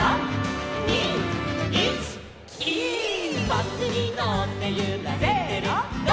「バスにのってゆられてる」せの！